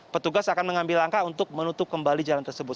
petugas akan mengambil langkah untuk menutup kembali jalan tersebut